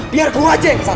biar gue aja yang kesana